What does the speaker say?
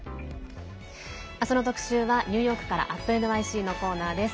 明日の特集はニューヨークから「＠ｎｙｃ」のコーナーです。